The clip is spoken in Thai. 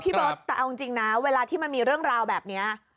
พี่โบ๊ทแต่เอาจริงจริงน่ะเวลาที่มันมีเรื่องราวแบบเนี้ย